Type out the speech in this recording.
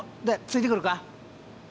ついてくるか？